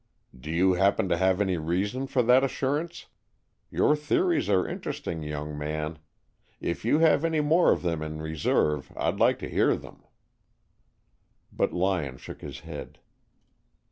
"Do you happen to have any reason for that assurance? Your theories are interesting, young man. If you have any more of them in reserve, I'd like to hear them." But Lyon shook his head.